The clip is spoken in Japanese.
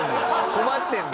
困ってるんだ。